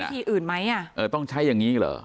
มันมีวิธีอื่นไหมอ่ะเออต้องใช้อย่างงี้เหรอ